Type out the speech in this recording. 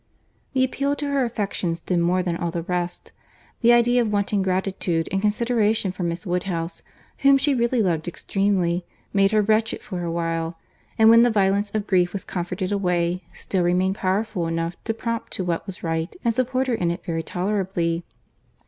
This appeal to her affections did more than all the rest. The idea of wanting gratitude and consideration for Miss Woodhouse, whom she really loved extremely, made her wretched for a while, and when the violence of grief was comforted away, still remained powerful enough to prompt to what was right and support her in it very tolerably.